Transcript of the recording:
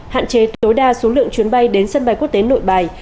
hạn chế tối đa số lượng chuyến bay đến sân bay quốc tế nội bài